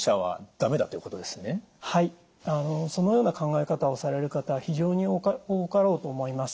そのような考え方をされる方は非常に多かろうと思います。